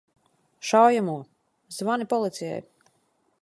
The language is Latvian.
Šaujamo! Zvani policijai!